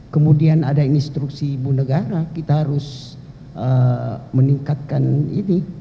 kemudian ada instruksi ibu negara kita harus meningkatkan ini